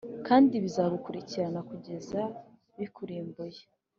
kandi bizagukurikirana kugeza bikurimbuye.